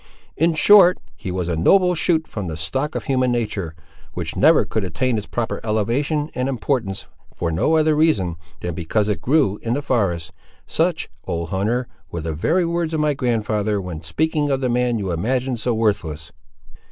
'In short, he was a noble shoot from the stock of human nature, which never could attain its proper elevation and importance, for no other reason, than because it grew in the forest:' such, old hunter, were the very words of my grandfather, when speaking of the man you imagine so worthless!"